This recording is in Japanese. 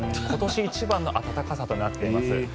今年一番の暖かさとなっています。